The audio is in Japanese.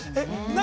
何？